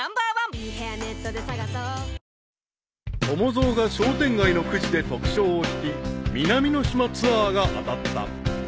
［友蔵が商店街のくじで特賞を引き南の島ツアーが当たった］